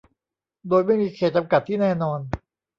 โดยไม่มีเขตต์จำกัดที่แน่นอน